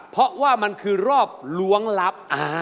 เพราะว่ามันคือรอบล้วงลับ